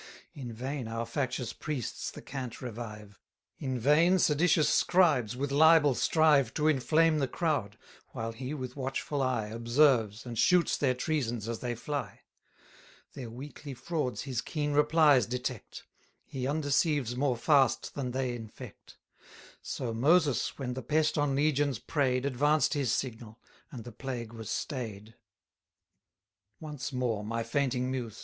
In vain our factious priests the cant revive; In vain seditious scribes with libel strive 1030 To inflame the crowd; while he with watchful eye Observes, and shoots their treasons as they fly; Their weekly frauds his keen replies detect; He undeceives more fast than they infect: So Moses, when the pest on legions prey'd, Advanced his signal, and the plague was stay'd. Once more, my fainting muse!